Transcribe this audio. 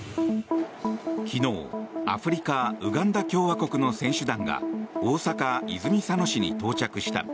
昨日、アフリカウガンダ共和国の選手団が大阪・泉佐野市に到着した。